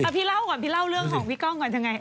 พี่ร้าวเรื่องของพี่ก้องก่อนครับไง